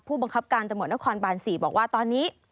บังคับการตำรวจนครบาน๔บอกว่าตอนนี้